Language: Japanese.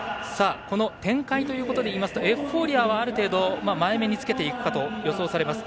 展開ということでありますとエフフォーリアはある程度、前めにつけていくと予想されます。